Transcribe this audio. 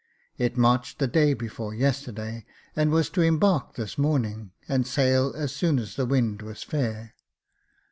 " It marched the day before yasterday, and was to embark this morning, and sail as soon as the wind was fair."